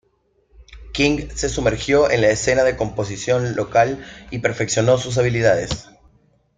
King se sumergió en la escena de composición local y perfeccionó sus habilidades.